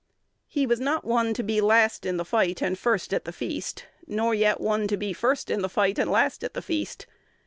He was not one to be last in the fight and first at the feast, nor yet one to be first in the fight and last at the feast.